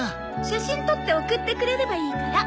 写真撮って送ってくれればいいから。